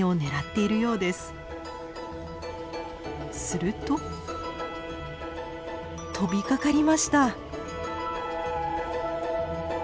すると飛びかかりました。